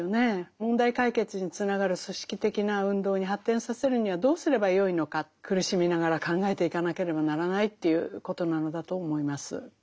問題解決につながる組織的な運動に発展させるにはどうすればよいのか苦しみながら考えていかなければならないということなのだと思います。